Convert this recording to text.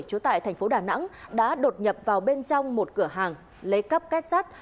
trú tại thành phố đà nẵng đã đột nhập vào bên trong một cửa hàng lấy cắp kết sắt